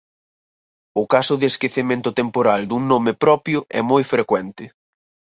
O caso de esquecemento temporal dun nome propio é moi frecuente.